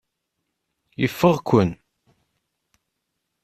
Ifeɣ-ken.